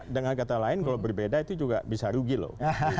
dengan kata lain kalau berbeda itu juga bisa rugi loh